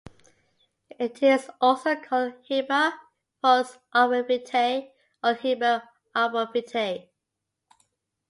It is also called hiba, false arborvitae, or hiba arborvitae.